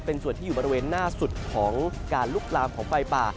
เป็นส่วนที่อยู่บริเวณหน้าสุดของการลุกลามของไฟป่า